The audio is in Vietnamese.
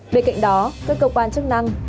về cạnh đó các cơ quan chức năng